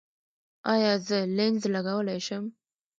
ایا زه لینز لګولی شم؟